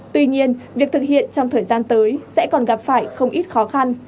tuy nhiên việc thực hiện trong thời gian tới sẽ còn gặp phải không ít khó khăn